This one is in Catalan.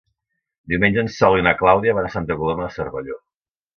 Diumenge en Sol i na Clàudia van a Santa Coloma de Cervelló.